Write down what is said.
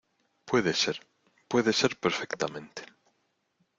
puede ser. puede ser perfectamente